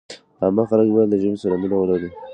عامه خلک باید له ژبې سره مینه ولري.